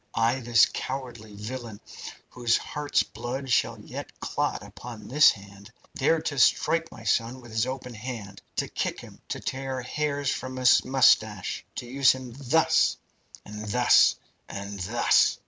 Ay, this cowardly villain, whose heart's blood shall yet clot upon this hand, dared to strike my son with his open hand, to kick him, to tear hairs from his moustache to use him thus and thus and thus!"